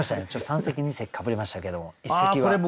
三席二席かぶりましたけども一席は？